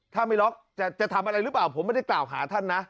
ถ้าไม่ล็อกจะทำอะไรหรือเปล่าผมไม่ได้กล่าวหาท่านนะ